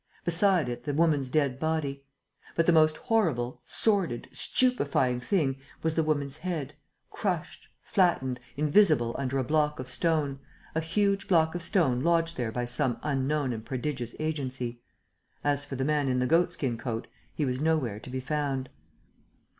Beside it, the woman's dead body. But the most horrible, sordid, stupefying thing was the woman's head, crushed, flattened, invisible under a block of stone, a huge block of stone lodged there by some unknown and prodigious agency. As for the man in the goat skin coat he was nowhere to be found.